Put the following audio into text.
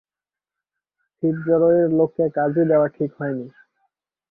ফিটজরয়ের লোককে কাজই দেওয়া ঠিক হয়নি।